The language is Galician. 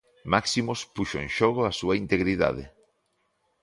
Máximus puxo en xogo a súa integridade.